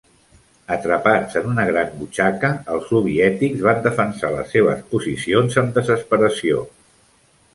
Atrapats en una gran butxaca, els soviètics van defensar les seves posicions amb desesperació.